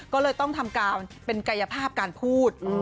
ก็เลยต้องทำการเป็นกายภาพการพูด